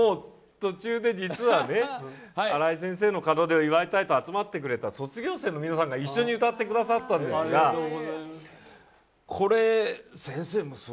途中で実はね、新井先生の門出を祝いたいと集まってくれた卒業生の皆さんが一緒に歌ってくださったんですが先生